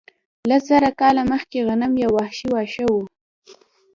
لس زره کاله مخکې غنم یو وحشي واښه و.